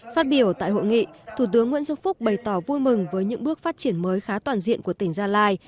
phát biểu tại hội nghị thủ tướng nguyễn xuân phúc bày tỏ vui mừng với những bước phát triển mới khá toàn diện của tỉnh gia lai